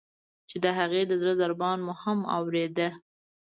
چې د هغې د زړه ضربان مو هم اوریده.